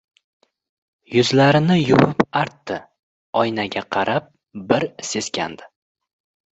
Yuzlarini yuvib artdi. Oynaga qarab, bir seskandi.